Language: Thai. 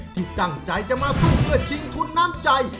ที่ตั้งใจจะมาสู้เพื่อชิงทุนน้ำใจ